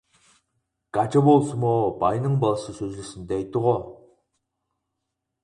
گاچا بولسىمۇ باينىڭ بالىسى سۆزلىسۇن دەيتتىغۇ؟ !